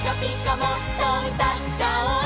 もっとうたっちゃおう！」